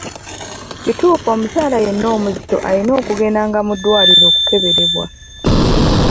Kituufu omukyala yenna omuzito alina okugendanga mu ddwaliro okukeberebwa.